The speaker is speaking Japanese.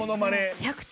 １００点